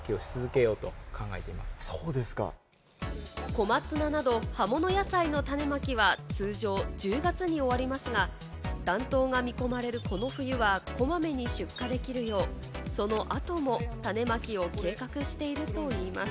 小松菜などの葉物野菜の種まきは通常１０月に終わりますが、暖冬が見込まれるこの冬はこまめに出荷できるようその後も種まきを計画しているといいます。